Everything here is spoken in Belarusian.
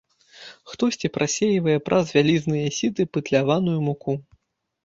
Хтосьці прасейвае праз вялізныя сіты пытляваную муку.